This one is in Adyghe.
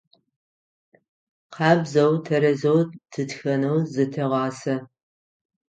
Къабзэу, тэрэзэу тытхэнэу зытэгъасэ.